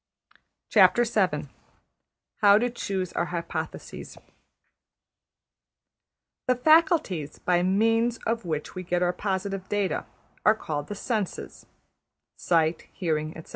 \chapter{How to Choose Our Hypotheses} The faculties by means of which we get our positive data are called the senses (sight, hearing, etc.).